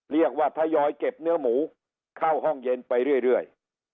เรียกว่าทยอยเก็บเนื้อหมูเข้าห้องเย็นไปเรื่อย